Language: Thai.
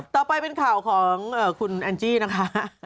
ต่อไปเป็นข่าวของคุณแอนจี้นะคะ